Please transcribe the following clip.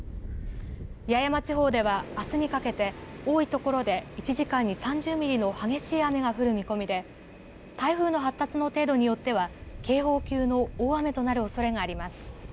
八重島地方ではあすにかけて多いところで１時間に３０ミリの激しい雨が降る見込みで台風の発達の程度によっては警報級の大雨となるおそれがあります。